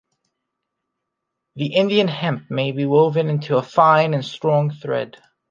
The Indian hemp may be woven into a fine, and strong thread.